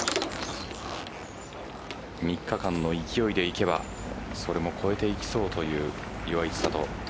３日間の勢いでいけばそれも超えていきそうという岩井千怜。